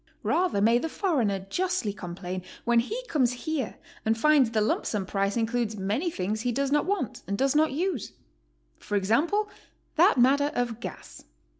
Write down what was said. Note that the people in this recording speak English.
Rather may the foreigner justly complain when he comes here and finds the lump sum price includes many things he does not want, and does not use. For example, that matter of gas.